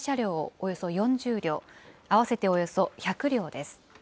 およそ４０両、合わせておよそ１００両です。